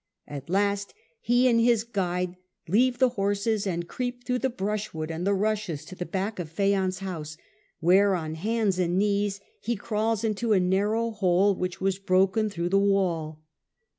At last he and his guide leave the horses and creep through the brushwood and the rushes to the back of Phaon's house, where on hands and feet he crawls through a narrow hole which was broken through the wall.